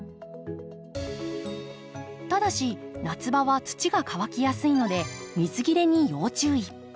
ただし夏場は土が乾きやすいので水切れに要注意。